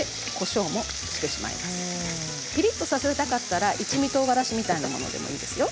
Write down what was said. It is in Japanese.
ピリっとさせたかったら一味とうがらしでもいいですよ。